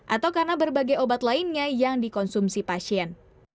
atau karena berbagai obat lainnya yang dikonsumsi pasien